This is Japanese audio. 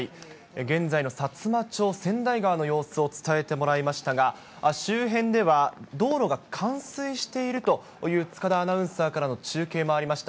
現在のさつま町、川内川の様子を伝えてもらいましたが、周辺では、道路が冠水しているという塚田アナウンサーからの中継もありました。